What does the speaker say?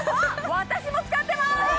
私も使ってまーす